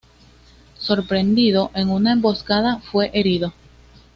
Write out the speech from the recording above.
Sorprendido en una emboscada, fue herido.